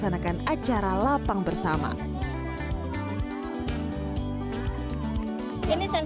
apakah kamu turut bercanda sama saya